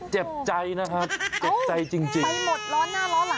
เจ็บใจนะครับเจ็บใจจริงไปหมดล้อหน้าล้อหลัง